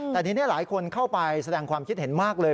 แต่ทีนี้หลายคนเข้าไปแสดงความคิดเห็นมากเลย